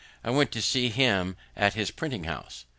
I went to see him at his printing house.